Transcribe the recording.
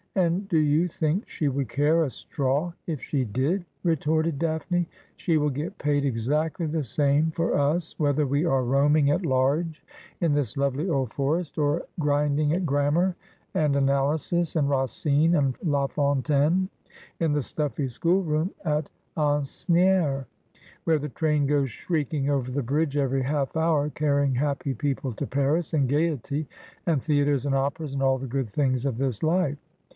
And do you think she would care a straw if she did ?' retorted Daphne. ' 8he will get paid exactly the same for us whether we are roaming at large in this lovely old forest, or grinding at grammar, and analysis, and Racine, and Laf ontaine in the stufEy schoolroom at ' And She was Fair as is the Rose in May.' 7 Asnieres, where the train goes shrieking over the bridge every half hour carrying happy people to Paris and gaiety, and theatres and operas, and all the good things of this life.